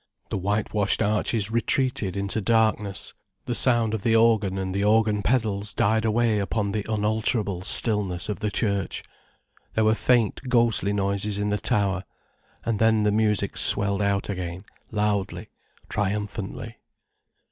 The whitewashed arches retreated into darkness, the sound of the organ and the organ pedals died away upon the unalterable stillness of the church, there were faint, ghostly noises in the tower, and then the music swelled out again, loudly, triumphantly.